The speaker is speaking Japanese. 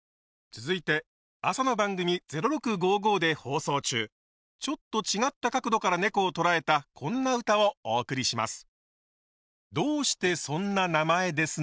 続いて朝の番組「０６５５」で放送中ちょっと違った角度からねこを捉えたこんな歌をお送りします。